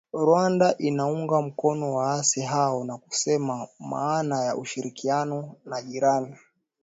Rwanda inaunga mkono waasi hao na kusema maana ya ushirikiano na jirani